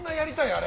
あれ。